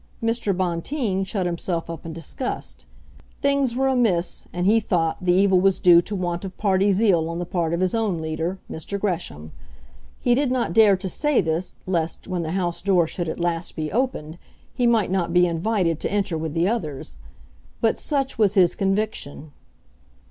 Mr. Bonteen shut himself up in disgust. Things were amiss; and, as he thought, the evil was due to want of party zeal on the part of his own leader, Mr. Gresham. He did not dare to say this, lest, when the house door should at last be opened, he might not be invited to enter with the others; but such was his conviction.